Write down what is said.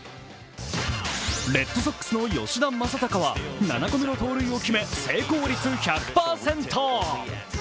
レッドソックスの吉田正尚は７個目の盗塁を決め、成功率１００％。